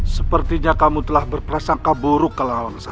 sepertinya kamu telah berpersangka buruk kalahansa